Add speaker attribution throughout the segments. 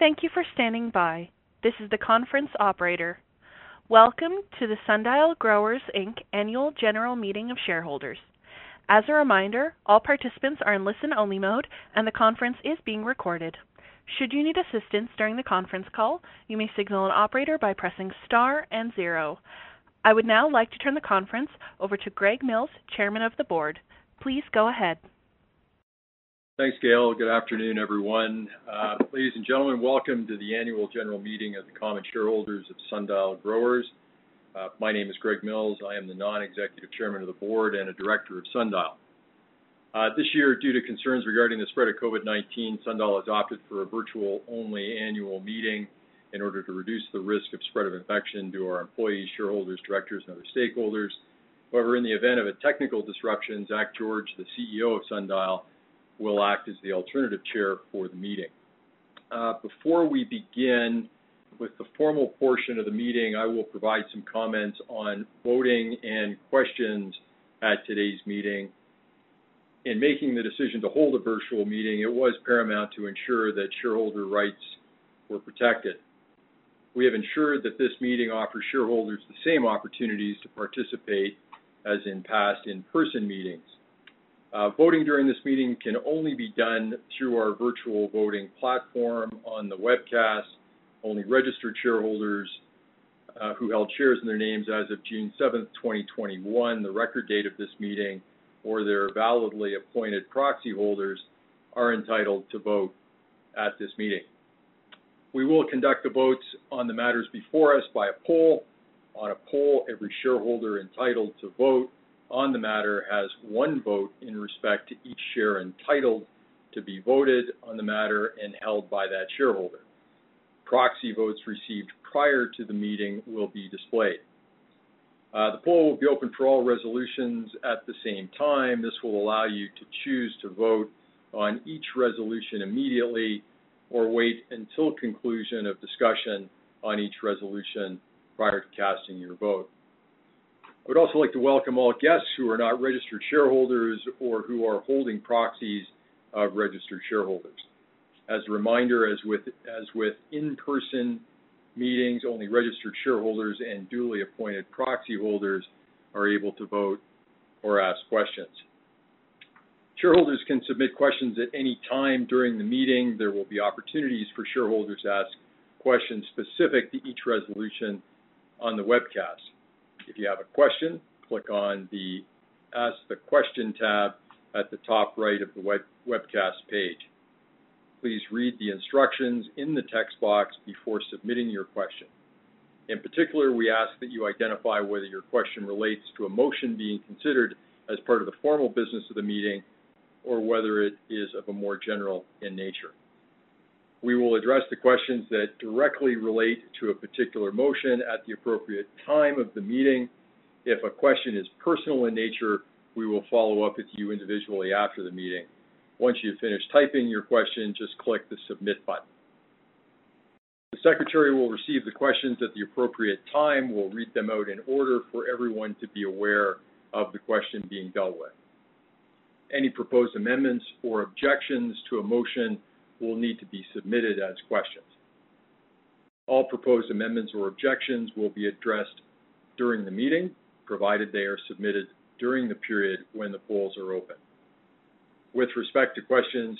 Speaker 1: Thank you for standing by. This is the conference operator. Welcome to the Sundial Growers Inc. Annual General Meeting of Shareholders. As a reminder, all participants are in listen-only mode, and the conference is being recorded. Should you need assistance during the conference call, you may signal an operator by pressing star and zero. I would now like to turn the conference over to Greg Mills, Chairman of the Board. Please go ahead.
Speaker 2: Thanks, Gail. Good afternoon, everyone. Ladies and gentlemen, welcome to the annual general meeting of the common shareholders of Sundial Growers. My name is Greg Mills. I am the non-executive Chairman of the Board and a Director of Sundial. This year, due to concerns regarding the spread of COVID-19, Sundial opted for a virtual-only annual meeting in order to reduce the risk of spread of infection to our employees, shareholders, Directors, and other stakeholders. In the event of a technical disruption, Zach George, the CEO of Sundial, will act as the alternative chair for the meeting. Before we begin with the formal portion of the meeting, I will provide some comments on voting and questions at today's meeting. In making the decision to hold a virtual meeting, it was paramount to ensure that shareholder rights were protected. We have ensured that this meeting offers shareholders the same opportunities to participate as in past in-person meetings. Voting during this meeting can only be done through our virtual voting platform on the webcast. Only registered shareholders who held shares in their names as of June 7th, 2021, the record date of this meeting, or their validly appointed proxy holders are entitled to vote at this meeting. We will conduct the votes on the matters before us by a poll. On a poll, every shareholder entitled to vote on the matter has one vote in respect to each share entitled to be voted on the matter and held by that shareholder. Proxy votes received prior to the meeting will be displayed. The poll will be open for all resolutions at the same time. This will allow you to choose to vote on each resolution immediately or wait until conclusion of discussion on each resolution prior to casting your vote. I would also like to welcome all guests who are not registered shareholders or who are holding proxies of registered shareholders. As a reminder, as with in-person meetings, only registered shareholders and duly appointed proxy holders are able to vote or ask questions. Shareholders can submit questions at any time during the meeting. There will be opportunities for shareholders to ask questions specific to each resolution on the webcast. If you have a question, click on the Ask the Question tab at the top right of the webcast page. Please read the instructions in the text box before submitting your question. In particular, we ask that you identify whether your question relates to a motion being considered as part of the formal business of the meeting or whether it is of a more general in nature. We will address the questions that directly relate to a particular motion at the appropriate time of the meeting. If a question is personal in nature, we will follow up with you individually after the meeting. Once you finish typing your question, just click the Submit button. The secretary will receive the questions at the appropriate time. We'll read them out in order for everyone to be aware of the question being dealt with. Any proposed amendments or objections to a motion will need to be submitted as questions. All proposed amendments or objections will be addressed during the meeting, provided they are submitted during the period when the polls are open. With respect to questions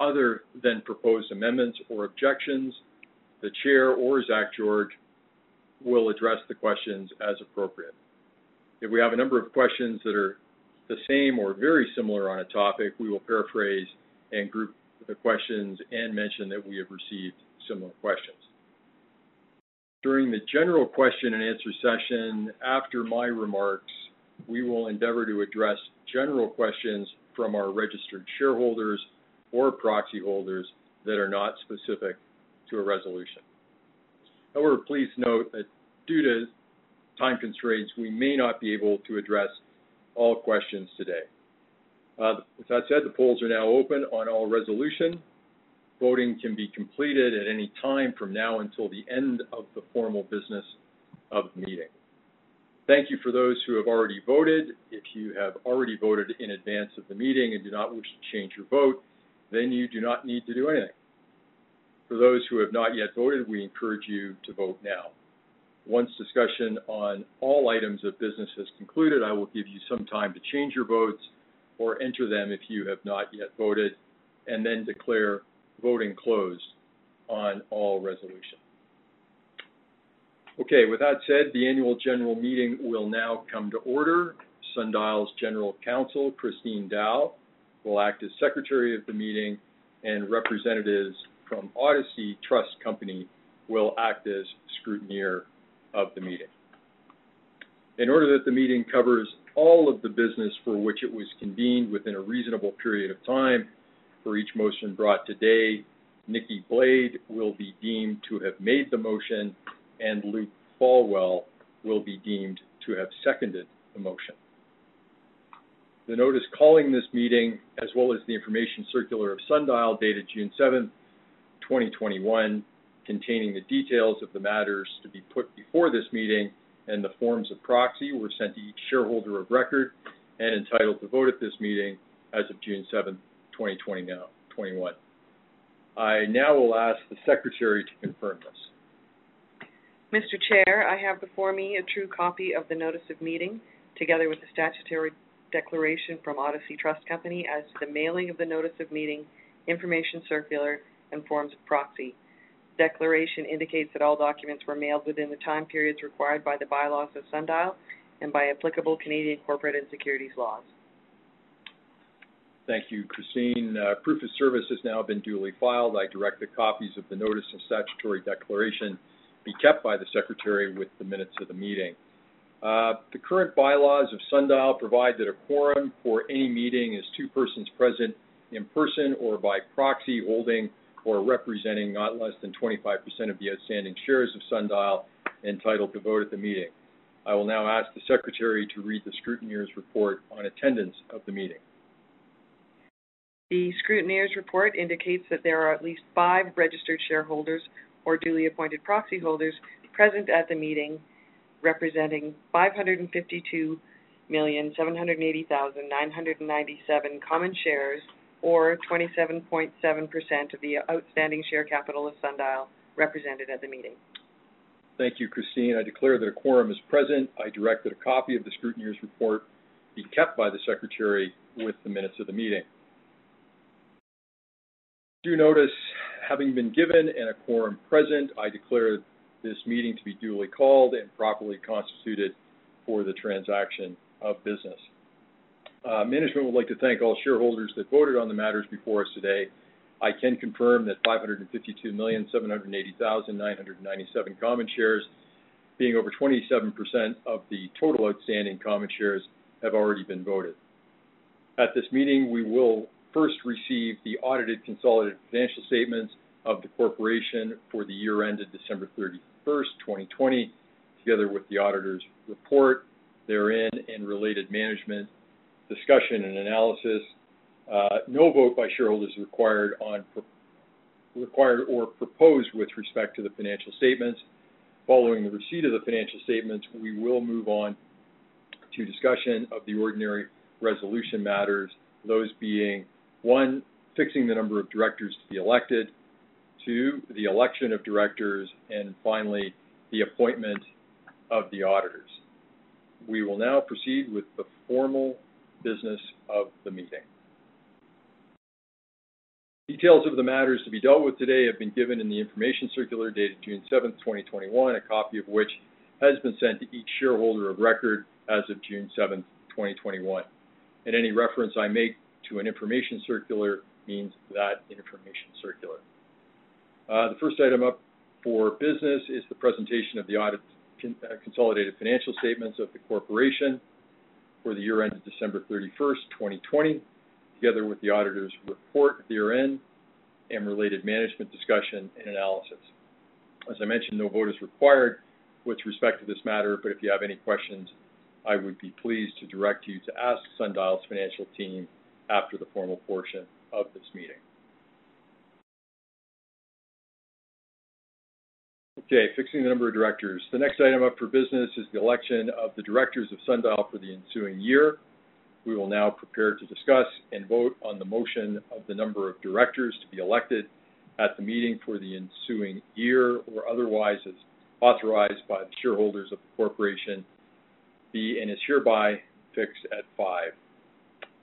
Speaker 2: other than proposed amendments or objections, the chair or Zach George will address the questions as appropriate. If we have a number of questions that are the same or very similar on a topic, we will paraphrase and group the questions and mention that we have received similar questions. During the general question and answer session after my remarks, we will endeavor to address general questions from our registered shareholders or proxy holders that are not specific to a resolution. However, please note that due to time constraints, we may not be able to address all questions today. With that said, the polls are now open on all resolution. Voting can be completed at any time from now until the end of the formal business of the meeting. Thank you for those who have already voted. If you have already voted in advance of the meeting and do not wish to change your vote, then you do not need to do anything. For those who have not yet voted, we encourage you to vote now. Once discussion on all items of business is concluded, I will give you some time to change your votes or enter them if you have not yet voted, and then declare voting closed on all resolutions. Okay. With that said, the annual general meeting will now come to order. Sundial's General Counsel, Kristine Dow, will act as Secretary of the meeting, and representatives from Odyssey Trust Company will act as scrutineer of the meeting. In order that the meeting covers all of the business for which it was convened within a reasonable period of time for each motion brought today, Nikki Glade will be deemed to have made the motion, and Luke Fallwell will be deemed to have seconded the motion. The notice calling this meeting, as well as the information circular of Sundial dated June 7th, 2021, containing the details of the matters to be put before this meeting and the forms of proxy were sent to each shareholder of record and entitled to vote at this meeting as of June 7th, 2021. I now will ask the Secretary to confirm this.
Speaker 3: Mr. Chair, I have before me a true copy of the notice of meeting, together with the statutory declaration from Odyssey Trust Company as to the mailing of the notice of meeting, information circular, and forms of proxy. The declaration indicates that all documents were mailed within the time periods required by the bylaws of Sundial and by applicable Canadian Corporate and Securities laws.
Speaker 2: Thank you, Kristine. Proof of service has now been duly filed. I direct that copies of the notice of statutory declaration be kept by the Secretary with the minutes of the meeting. The current bylaws of Sundial provide that a quorum for a meeting is two persons present in person or by proxy, holding or representing not less than 25% of the outstanding shares of Sundial entitled to vote at the meeting. I will now ask the Secretary to read the scrutineer's report on attendance of the meeting.
Speaker 3: The scrutineer's report indicates that there are at least five registered shareholders or duly appointed proxyholders present at the meeting, representing 552,780,997 common shares, or 27.7% of the outstanding share capital of Sundial represented at the meeting.
Speaker 2: Thank you, Kristine. I declare that a quorum is present. I direct that a copy of the scrutineer's report be kept by the Secretary with the minutes of the meeting. Due notice having been given and a quorum present, I declare this meeting to be duly called and properly constituted for the transaction of business. Management would like to thank all shareholders that voted on the matters before us today. I can confirm that 552,780,997 common shares, being over 27% of the total outstanding common shares, have already been voted. At this meeting, we will first receive the audited consolidated financial statements of the corporation for the year ended December 31st, 2020, together with the auditor's report therein and related management discussion and analysis. No vote by shareholders is required or proposed with respect to the financial statements. Following the receipt of the financial statements, we will move on to discussion of the ordinary resolution matters, those being; One, fixing the number of directors to be elected, two, the election of directors, and finally, the appointment of the auditors. We will now proceed with the formal business of the meeting. Details of the matters to be dealt with today have been given in the information circular dated June 7th, 2021, a copy of which has been sent to each shareholder of record as of June 7th, 2021. Any reference I make to an information circular means that information circular. The first item up for business is the presentation of the audited consolidated financial statements of the corporation for the year ended December 31st, 2020, together with the auditor's report therein and related management discussion and analysis. As I mentioned, no vote is required with respect to this matter, but if you have any questions, I would be pleased to direct you to ask Sundial's financial team after the formal portion of this meeting. Okay, fixing the number of directors. The next item up for business is the election of the directors of Sundial for the ensuing year. We will now prepare to discuss and vote on the motion of the number of directors to be elected at the meeting for the ensuing year, or otherwise as authorized by the shareholders of the corporation, be and is hereby fixed at five.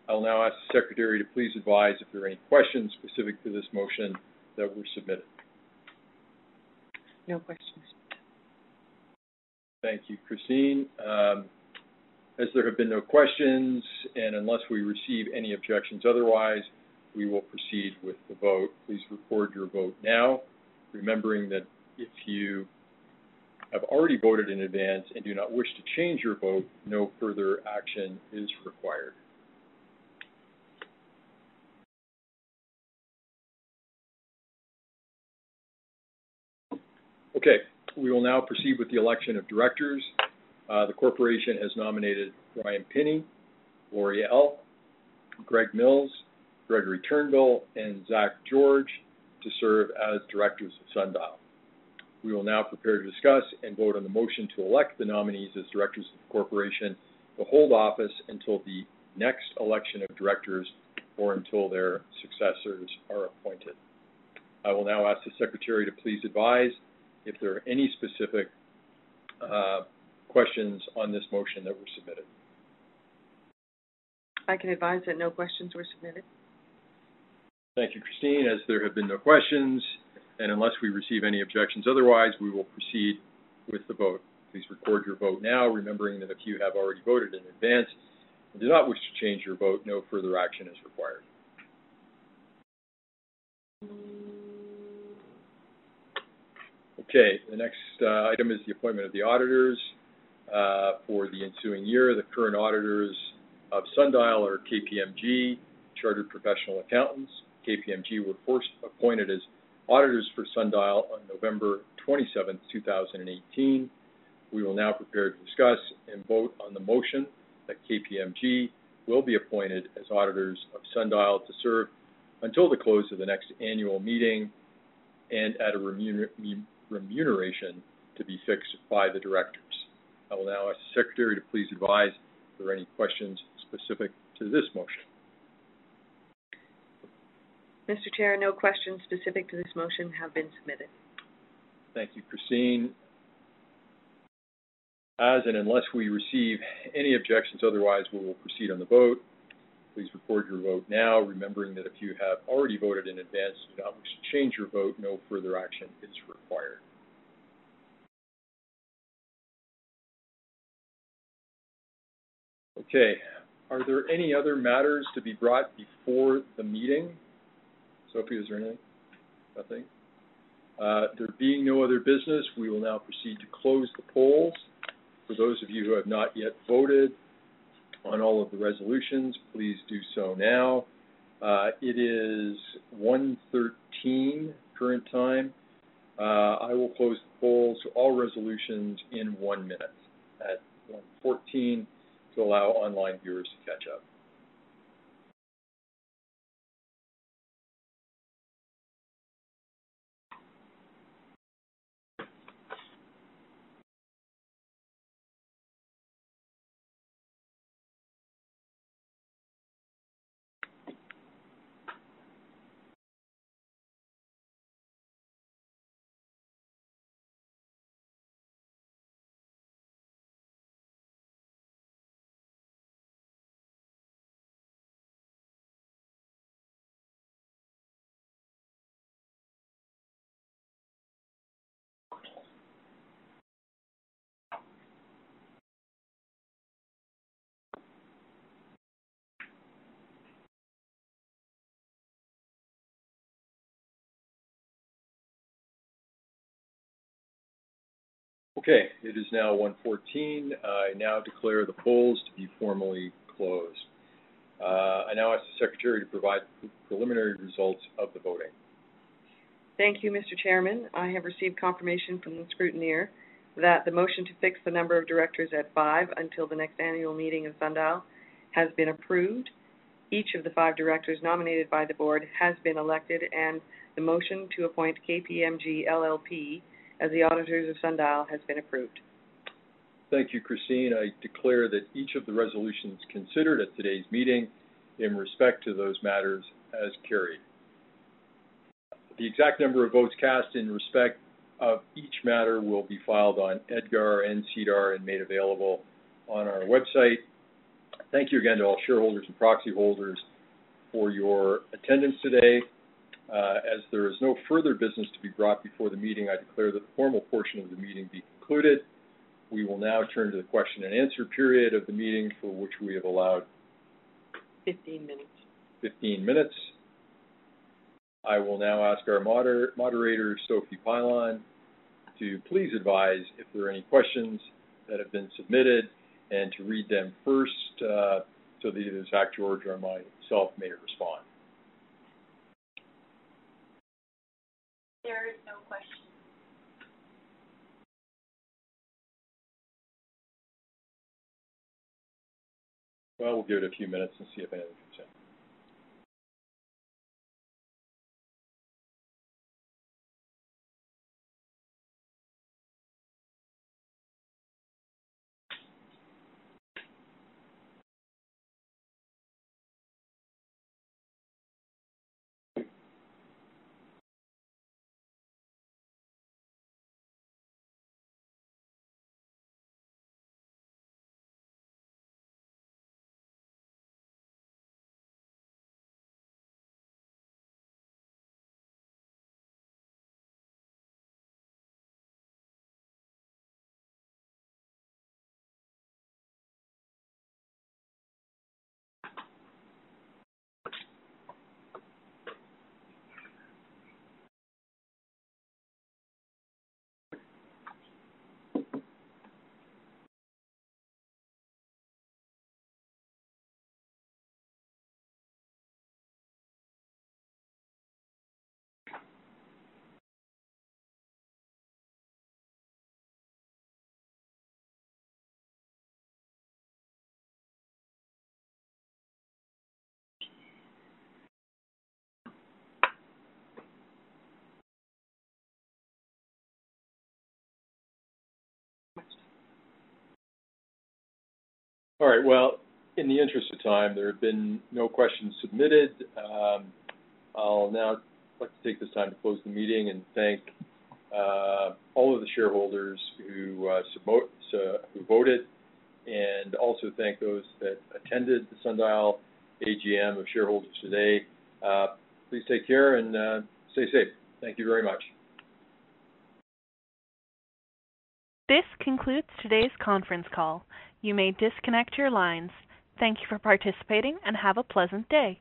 Speaker 2: I'll now ask the secretary to please advise if there are any questions specific to this motion that were submitted.
Speaker 3: No questions.
Speaker 2: Thank you, Kristine. As there have been no questions, and unless we receive any objections otherwise, we will proceed with the vote. Please record your vote now, remembering that if you have already voted in advance and do not wish to change your vote, no further action is required. Okay. We will now proceed with the election of directors. The corporation has nominated Bryan Pinney, Lori Ell, Greg Mills, Gregory Turnbull, and Zach George to serve as directors of Sundial. We will now prepare to discuss and vote on the motion to elect the nominees as directors of the corporation to hold office until the next election of directors or until their successors are appointed. I will now ask the Secretary to please advise if there are any specific questions on this motion that were submitted.
Speaker 3: I can advise that no questions were submitted.
Speaker 2: Thank you, Kristine. As there have been no questions, and unless we receive any objections otherwise, we will proceed with the vote. Please record your vote now, remembering that if you have already voted in advance and do not wish to change your vote, no further action is required. Okay. The next item is the appointment of the auditors for the ensuing year. The current auditors of Sundial are KPMG Chartered Professional Accountants. KPMG were first appointed as auditors for Sundial on November 27th, 2018. We will now prepare to discuss and vote on the motion that KPMG will be appointed as auditors of Sundial to serve until the close of the next annual meeting. At a remuneration to be fixed by the directors. I'll now ask the secretary to please advise if there are any questions specific to this motion.
Speaker 3: Mr. Chair, no questions specific to this motion have been submitted.
Speaker 2: Thank you, Kristine. Unless we receive any objections otherwise, we will proceed on the vote. Please record your vote now, remembering that if you have already voted in advance and wish to change your vote, no further action is required. Are there any other matters to be brought before the meeting? Sophie, is there any? Nothing. There being no other business, we will now proceed to close the polls. For those of you who have not yet voted on all of the resolutions, please do so now. It is 1:13 current time. I will close the polls to all resolutions in 1 minute at 1:14 to allow online viewers to catch up. It is now 1:14. I now declare the polls to be formally closed. I now ask the secretary to provide the preliminary results of the voting.
Speaker 3: Thank you, Mr. Chairman. I have received confirmation from the scrutineer that the motion to fix the number of directors at five until the next annual meeting of Sundial has been approved. Each of the five directors nominated by the board has been elected, and the motion to appoint KPMG LLP as the auditors of Sundial has been approved.
Speaker 2: Thank you, Kristine. I declare that each of the resolutions considered at today's meeting in respect to those matters as carried. The exact number of votes cast in respect of each matter will be filed on EDGAR, SEDAR, and made available on our website. Thank you again to all shareholders and proxy holders for your attendance today. As there is no further business to be brought before the meeting, I declare the formal portion of the meeting be concluded. We will now turn to the question-and-answer period of the meeting for which we have allowed?
Speaker 4: 15 minutes.
Speaker 2: 15 minutes. I will now ask our moderator, Sophie Pilon, to please advise if there are any questions that have been submitted and to read them first, so that either Zach George or myself may respond.
Speaker 4: There are no questions.
Speaker 2: Well, we'll give it a few minutes and see if anything's submitted. All right. Well, in the interest of time, there have been no questions submitted. I'll now like to take this time to close the meeting and thank all of the shareholders who voted, and also thank those that attended the Sundial AGM of Shareholders today. Please take care and stay safe. Thank you very much.
Speaker 1: This concludes today's conference call. You may disconnect your lines. Thank you for participating and have a pleasant day.